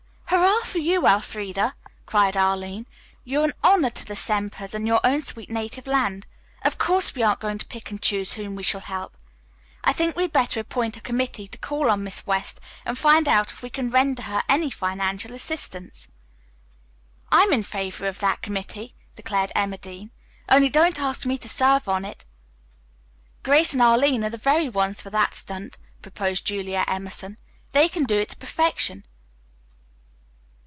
"Hurrah for you, Elfreda!" cried Arline. "You're an honor to the Sempers and your own sweet native land. Of course we aren't going to pick and choose whom we shall help. I think we had better appoint a committee to call on Miss West and find out if we can render her any financial assistance." "I'm in favor of that committee," declared Emma Dean, "only don't ask me to serve on it." "Grace and Arline are the very ones for that stunt," proposed Julia Emerson. "They can do it to perfection."